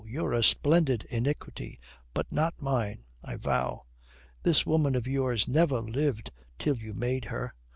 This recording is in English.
You're a splendid iniquity, but not mine, I vow." "This woman of yours never lived till you made her.